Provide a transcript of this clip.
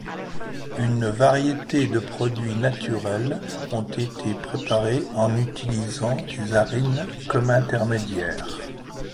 Une variété de produits naturels ont été préparés en utilisant des arynes comme intermédiaires.